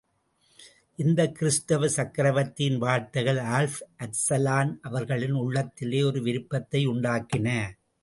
இந்தக் கிறிஸ்தவச் சக்கரவர்த்தியின் வார்த்தைகள் ஆல்ப் அர்சலான் அவர்களின் உள்ளத்திலே ஒரு விருப்பத்தை உண்டாக்கின.